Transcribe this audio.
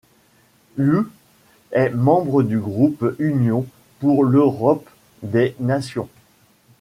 ĽÚ est membre du groupe Union pour l'Europe des nations.